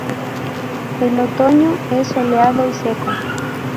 El otoño es soleado y seco.